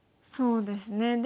そうですね。